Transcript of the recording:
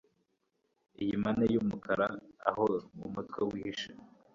Iyi mane yumukara aho umutwe wihishe